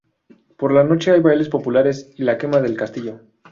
Por la noche hay bailes populares y la quema del castillo.